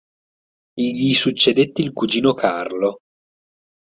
Gli succedette il cugino Carlo.